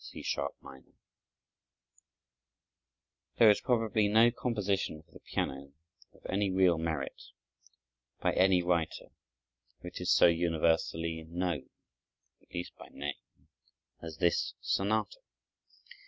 2 (C Sharp Minor) There is probably no composition for the piano of any real merit, by any writer, which is so universally known, at least by name, as this sonata.